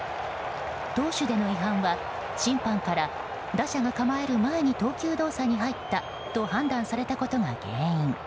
投手での違反は審判から打者が構える前に投球動作に入ったと判断されたことが原因。